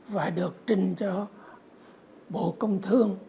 và được trình cho bộ công thương